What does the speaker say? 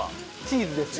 チーズです。